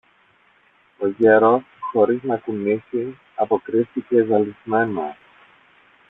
Ο γέρος χωρίς να κουνήσει, αποκρίθηκε ζαλισμένα